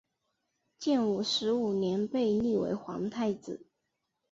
建武十五年被立为皇太子。